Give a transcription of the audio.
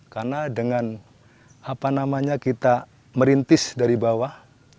karena dengan apa namanya kita merintis dari bawah